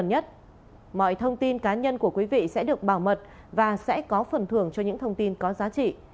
gần nhất mọi thông tin cá nhân của quý vị sẽ được bảo mật và sẽ có phần thường cho những thông tin có giá trị